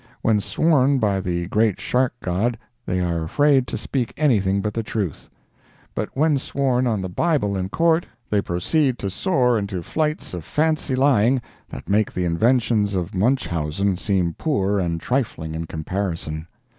When sworn by the Great Shark God they are afraid to speak anything but the truth; but when sworn on the Bible in Court they proceed to soar into flights of fancy lying that make the inventions of Munchausen seem poor and trifling in comparison.